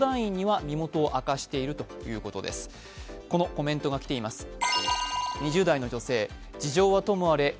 このコメントが来ています。